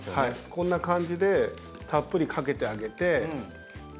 こんな感じでたっぷりかけてあげて。